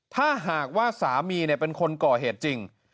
ถ้าหากว่าสามีเป็นคนก่อเหตุจริง